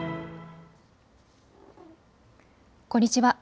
こんにちは。